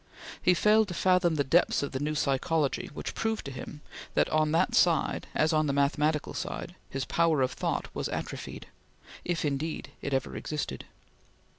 He failed to fathom the depths of the new psychology, which proved to him that, on that side as on the mathematical side, his power of thought was atrophied, if, indeed, it ever existed.